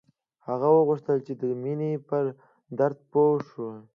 هغه غوښتل چې د مینې پر درد پوه شي